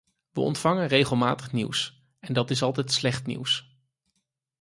We ontvangen regelmatig nieuws, en dat is altijd slecht nieuws.